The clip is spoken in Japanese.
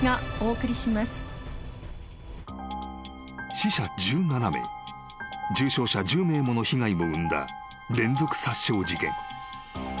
［死者１７名重傷者１０名もの被害を生んだ連続殺傷事件］